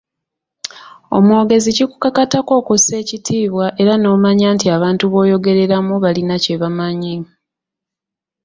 Omwogezi kikukakatako okussa ekitiibwa era n’omanya nti abantu b’oyogereramu balina kye bamanyi.